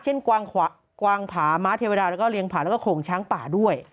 กวางผาม้าเทวดาแล้วก็เลี้ยผาแล้วก็โขงช้างป่าด้วย